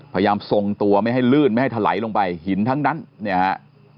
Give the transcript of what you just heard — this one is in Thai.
พยายามทรงตัวไม่ให้ลื่นไม่ให้ถลายลงไปหินทั้งนั้นเนี่ยฮะ